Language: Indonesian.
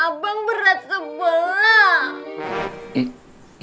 abang berat sebelah